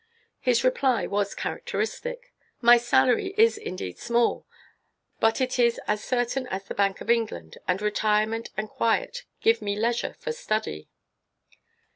His reply was characteristic. "My salary is indeed small, but it is as certain as the Bank of England, and retirement and quiet give me leisure for study."